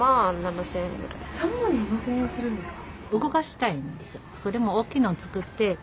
３万７，０００円するんですか？